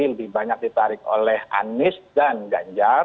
lebih banyak ditarik oleh anies dan ganjar